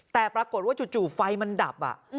แต่ปรากฏว่าจู่ไฟมันดับ